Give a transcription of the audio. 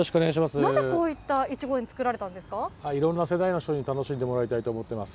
なぜこういったいちご園、作いろんな世代の人に楽しんでもらいたいと思っています。